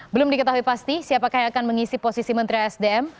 belum diketahui pasti siapakah yang akan mengisi posisi menteri sdm